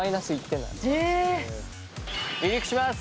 離陸します！